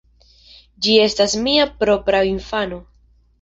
Ĝi estas mia propra infano.